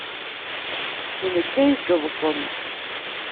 D nekk ay yeḍḍsen.